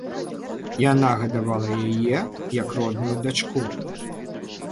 Яна гадавала яе як родную дачку.